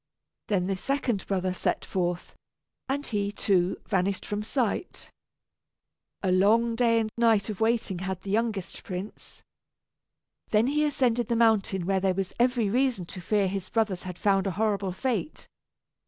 Then the second brother set forth, and he, too, vanished from sight. A long day and night of waiting had the youngest prince. Then he ascended the mountain where there was every reason to fear his brothers had found a horrible fate.